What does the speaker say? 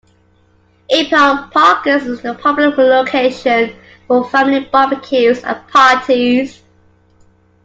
Ipan Park is a popular location for family barbecues and parties.